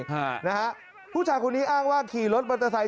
ฮ่ะนะครับผู้ชายคนนี้อ้างว่าขี่รถบัตรไทย